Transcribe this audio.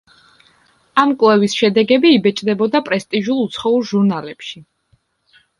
ამ კვლევის შედეგები იბეჭდებოდა პრესტიჟულ უცხოურ ჟურნალებში.